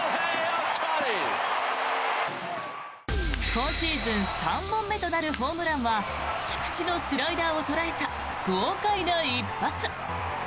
今シーズン３本目となるホームランは菊池のスライダーを捉えた豪快な一発。